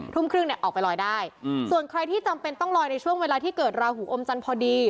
ทุ่มครึ่งเนี่ยออกไปลอยได้ส่วนใครที่จำเป็นต้องลอยในช่วงเวลาที่เกิดราหูอมจันทร์พอดี